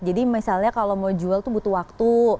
jadi misalnya kalau mau jual itu butuh waktu